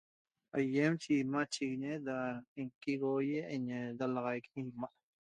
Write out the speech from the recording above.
Aýem samachiguiñida ñiquigoigui ñi dalaxaic ima